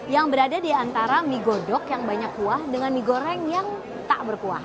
yang berada di antara mie godok yang banyak kuah dengan mie goreng yang tak berkuah